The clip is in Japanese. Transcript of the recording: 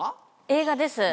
映画です。